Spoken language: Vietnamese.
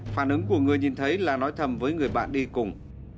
phản ứng của người nhìn thấy là nói thầm với người bạn đi cùng